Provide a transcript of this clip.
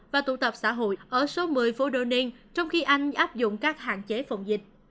và tụ tập xã hội ở số một mươi phố doning trong khi anh áp dụng các hạn chế phòng dịch